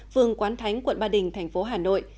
phường quán thánh quận ba đình thành phố hà nội